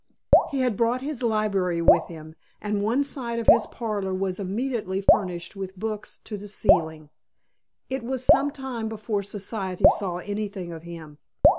He had brought his library with him and one side of his parlor was immediately furnished with books to the ceiling. It was some time before Society saw anything of him.